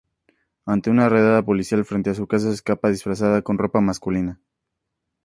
Ante una redada policial frente a su casa se escapa disfrazada con ropa masculina.